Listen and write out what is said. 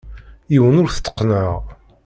Yiwen ur t-tteqqneɣ.